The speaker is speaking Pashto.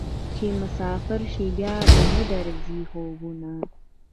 چې مسافر شې بیا به نه درځي خوبونه